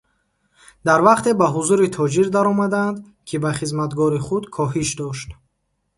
Дар вақте ба ҳузури тоҷир даромаданд, ки ба хизматгори худ коҳиш дошт.